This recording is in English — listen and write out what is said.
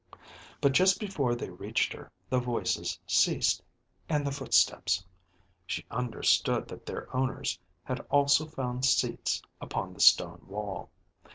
But just before they reached her the voices ceased, and the footsteps. She understood that. their owners had also found seats upon the stone wall.